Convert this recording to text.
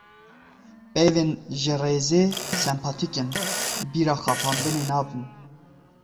Peyvên ji rêzê sempatîk in, bîra xapandinê nabin.